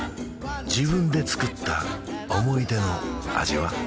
自分で作った思い出の味は？